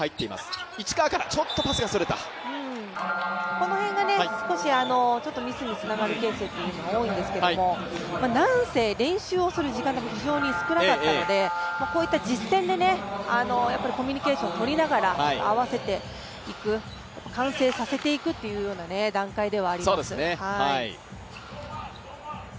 この辺が少しミスにつながるケースが多いんですが、何せ練習をする時間が非常に少なかったのでこういった実戦でコミュニケーション取りながら合わせていく、完成させていくという段階ではあります。